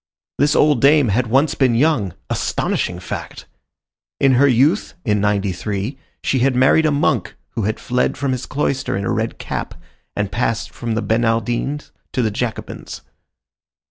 This old dame had once been young—astonishing fact! In her youth, in '93, she had married a monk who had fled from his cloister in a red cap, and passed from the Bernardines to the Jacobins.